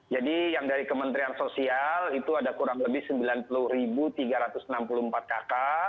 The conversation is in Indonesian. jadi yang dari kementerian sosial itu ada kurang lebih sembilan puluh tiga ratus enam puluh empat kakak